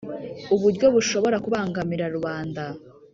uburyo bushobora kubangamira rubanda